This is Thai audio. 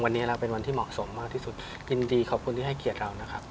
วันนี้เราเป็นวันที่เหมาะสมมากที่สุดยินดีขอบคุณที่ให้เกียรติเรานะครับ